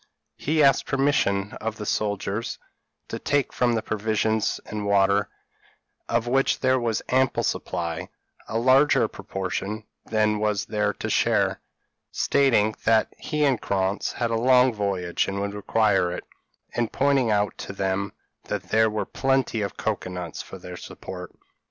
He asked permission of the soldiers to take from the provisions and water, of which there was ample supply, a larger proportion than was their share; stating, that he and Krantz had a long voyage and would require it, and pointing out to them that there were plenty of cocoa nuts for their support.